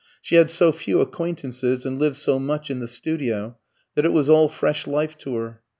She had so few acquaintances and lived so much in the studio, that it was all fresh life to her.